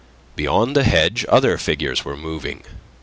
Beyond the hedge other figures were moving.